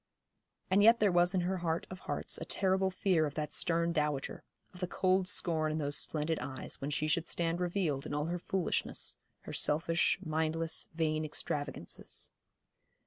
And yet there was in her heart of hearts a terrible fear of that stern dowager, of the cold scorn in those splendid eyes when she should stand revealed in all her foolishness, her selfish, mindless, vain extravagances.